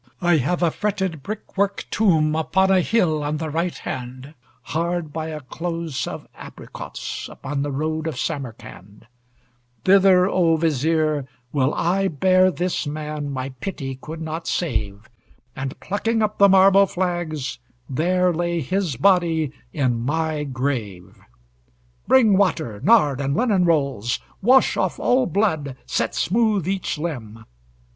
I have a fretted brickwork tomb Upon a hill on the right hand, Hard by a close of apricots, Upon the road of Samarcand; Thither, O Vizier, will I bear This man my pity could not save, And plucking up the marble flags, There lay his body in my grave. Bring water, nard, and linen rolls! Wash off all blood, set smooth each limb!